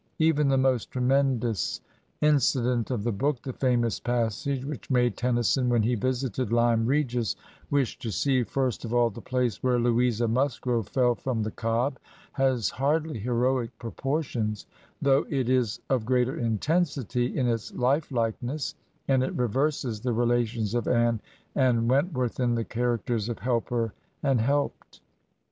Even the most tremendous incident of the book, the famous passage which made Tennyson, when he visited Lyme Regis, wish to see first of all the place where Louisa Musgrove fell from the Cobb, has hardly heroic proportions, though it is of greater intensity in its Ufdikeness, and it reverses the relations of Anne and Wentworth in the characters of helper and helped.